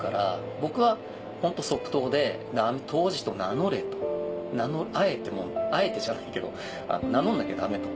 僕はホント即答で「杜氏と名乗れ」と。あえてもうあえてじゃないけど「名乗んなきゃダメ」と。